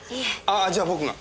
あじゃあ僕が。